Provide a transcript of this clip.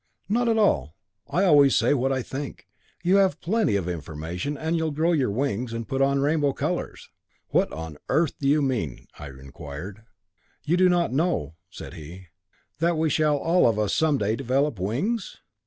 "Not at all. I always say what I think. You have plenty of information, and you'll grow your wings, and put on rainbow colours." "What on earth do you mean?" I inquired. "Do you not know," said he, "that we shall all of us, some day, develop wings?